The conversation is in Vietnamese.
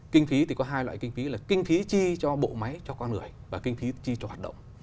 kinh phí thì có hai loại kinh phí là kinh phí chi cho bộ máy cho con người và kinh phí chi cho hoạt động